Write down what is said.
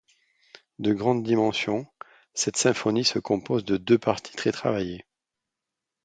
De grandes dimensions, cette symphonie se compose de deux parties très travaillées.